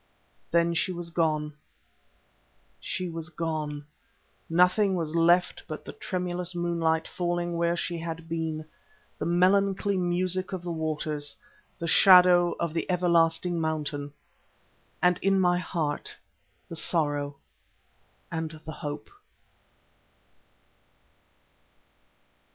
Then she was gone. She was gone; nothing was left but the tremulous moonlight falling where she had been, the melancholy music of the waters, the shadow of the everlasting mountain, and, in my heart, the sorrow and the hope.